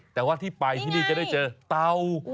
แต่ว่าที่ไปที่นี่จะได้เจอเตา